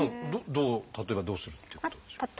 どう例えばどうするっていうことでしょう？